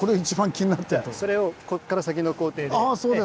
じゃそれをこっから先の工程で。